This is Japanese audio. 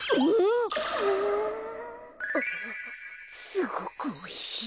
すごくおいしい。